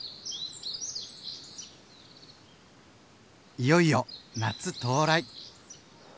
いよいよ夏到来。